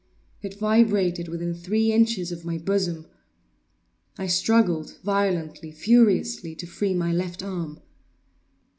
It vibrated within three inches of my bosom! I struggled violently, furiously, to free my left arm.